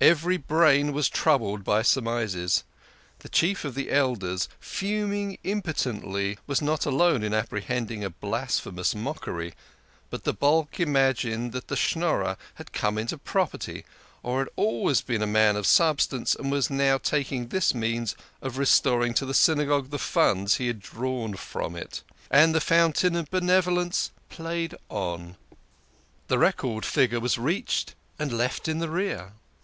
Every brain was troubled by surmises. The Chief of the Elders, fuming impotently, was not alone in apprehending a blasphemous mockery ; but the bulk imagined that the Schnorrer had come into property or had always been a man of substance, and was now taking this means of restoring to the Synagogue the funds he had drawn from it. And the fountain of Benevolence played on. The record figure was reached and left in the rear.